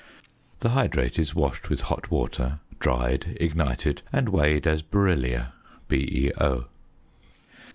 The hydrate is washed with hot water, dried, ignited, and weighed as beryllia, BeO.